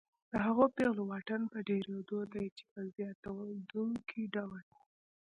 د هغو پیغلو واټن په ډېرېدو دی چې په زیاتېدونکي ډول